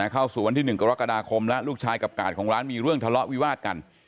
เข้าสู่วันที่๑กรกฎาคมแล้วลูกชายกับกาดของร้านมีเรื่องทะเลาะวิวาดกัน